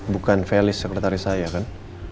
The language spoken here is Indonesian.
bukan felix sekretari saya kan